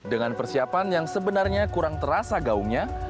dengan persiapan yang sebenarnya kurang terasa gaungnya